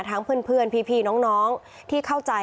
เพื่อนพี่น้องที่เข้าใจ